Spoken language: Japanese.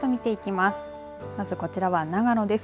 まずこちらは長野です。